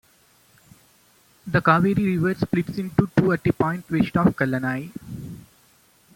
The Kaveri river splits into two at a point west of Kallanai.